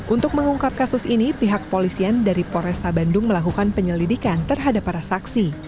untuk mengungkap kasus ini pihak polisian dari poresta bandung melakukan penyelidikan terhadap para saksi